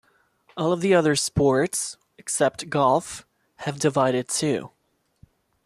All of the other sports except golf have divided too.